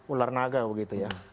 ular naga begitu ya